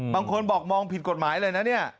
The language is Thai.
บางคนบอกมองผิดกฎหมายเลยนะเนี่ย